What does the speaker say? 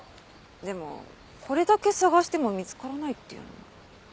でもこれだけ捜しても見つからないっていうのも。